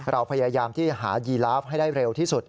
เราพยายามที่หายีลาฟให้ได้เร็วที่สุด